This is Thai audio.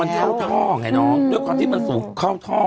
มันเข้าท่อไงน้องด้วยความที่มันสูงเข้าท่อ